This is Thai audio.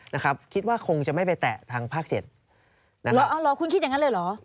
นะครับคิดว่าคงจะไม่ไปแตะทางภาคเจ็ดนะครับเหรอเอาเหรอคุณคิดอย่างงั้นเลยเหรอ